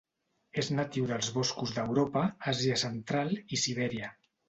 És natiu dels boscos d'Europa, Àsia Central i Sibèria.